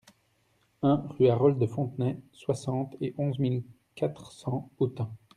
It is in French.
un rue Harold de Fontenay, soixante et onze mille quatre cents Autun